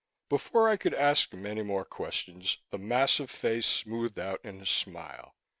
Before I could ask him any more questions, the massive face smoothed out in a smile.